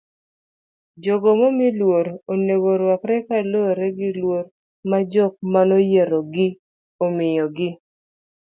jogo momi luor onego ruakre kaluwore gi luor ma jok manoyierogi omiyogi